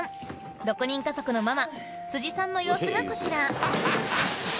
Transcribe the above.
６人家族のママ辻さんの様子がこちら！